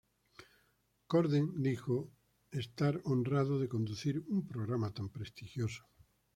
Corden dijo estar "honrado" de conducir "un programa tan prestigioso".